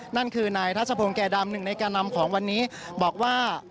นั่นคือนายทัศพงศ์แก่ดำหนึ่งในแก่นำของวันนี้บอกว่า